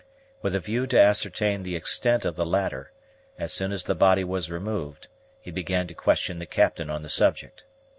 With a view to ascertain the extent of the latter, as soon as the body was removed, he began to question the Captain on the subject.